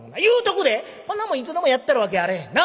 こんなもんいつでもやってるわけあれへんな。